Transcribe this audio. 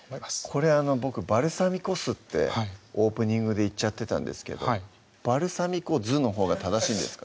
これ僕「バルサミコ酢」ってオープニングで言っちゃってたんですけどバルサミコ酢のほうが正しいんですか？